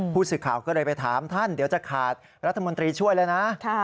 ผู้สื่อข่าวก็เลยไปถามท่านเดี๋ยวจะขาดรัฐมนตรีช่วยแล้วนะ